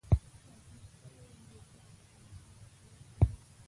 د احمدشاه بابا زيارت په کندهار ښار کي دئ.